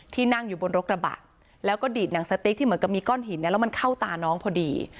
นั่งอยู่บนรถกระบะแล้วก็ดีดหนังสติ๊กที่เหมือนกับมีก้อนหินแล้วมันเข้าตาน้องพอดี